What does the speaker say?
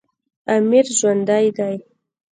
امیر ژوندی دی.